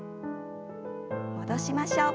戻しましょう。